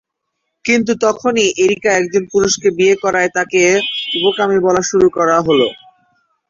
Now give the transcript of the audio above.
কিন্তু তখনই এরিকা একজন পুরুষকে বিয়ে করাই তাকে উভকামী বলা হতে শুরু হলো।